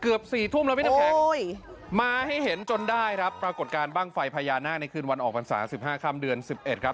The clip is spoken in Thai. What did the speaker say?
เกือบ๔ทุ่มแล้วพี่น้ำแข็งมาให้เห็นจนได้ครับปรากฏการณ์บ้างไฟพญานาคในคืนวันออกพรรษา๑๕ค่ำเดือน๑๑ครับ